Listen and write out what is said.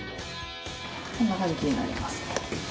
こんな感じになります。